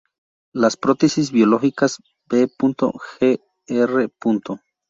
Las prótesis biológicas, v. gr.